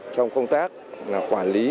trong công tác quản lý